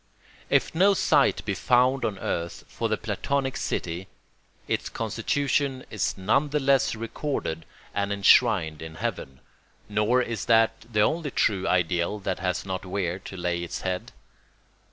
If no site be found on earth for the Platonic city, its constitution is none the less recorded and enshrined in heaven; nor is that the only true ideal that has not where to lay its head.